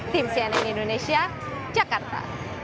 tim cnn indonesia jakarta